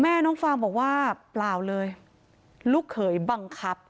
น้องฟางบอกว่าเปล่าเลยลูกเขยบังคับ